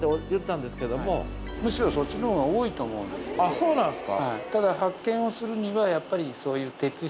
そうなんすか？